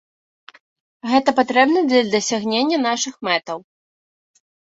Гэта патрэбна для дасягнення нашых мэтаў.